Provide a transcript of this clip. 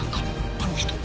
あの人。